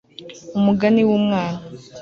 umugani w'umwana